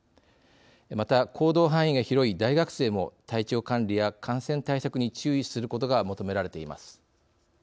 また行動範囲が広い大学生も体調管理や感染対策に注意することが求められています。